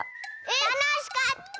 たのしかった！